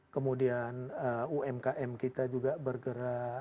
kemudian umkm kita juga bergerak